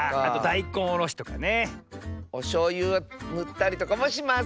おしょうゆぬったりとかもします。